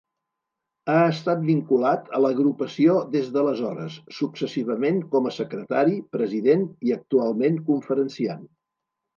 Ha estat vinculat a l'Agrupació des d'aleshores, successivament com a secretari, president i, actualment, conferenciant.